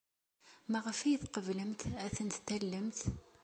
Maɣef ay tqeblemt ad tent-tallemt?